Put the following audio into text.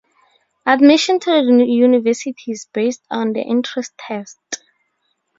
Admission to the university is based on the entry test.